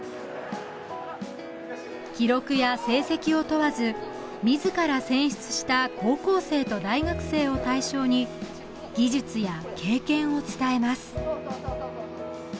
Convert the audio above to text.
記録や成績を問わず自ら選出した高校生と大学生を対象に技術や経験を伝えます